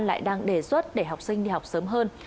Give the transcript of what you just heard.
lại đang đề xuất để học sinh đi học sớm hơn